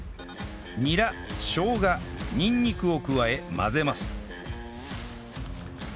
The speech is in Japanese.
ニラしょうがにんにくを加え混ぜます